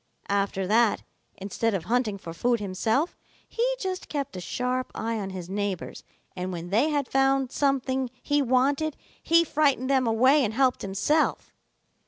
"After that, instead of hunting for food himself, he just kept a sharp eye on his neighbors, and when they had found something he wanted, he frightened them away and helped himself.